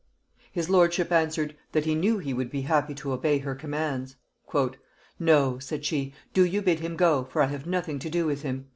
His lordship answered, that he knew he would be happy to obey her commands. "No," said she, "do you bid him go, for I have nothing to do with him."